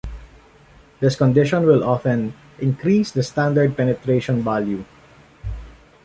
This condition will often increase the standard penetration value.